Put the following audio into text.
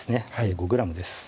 ５ｇです